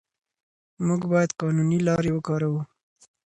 موږ باید قانوني لارې وکاروو.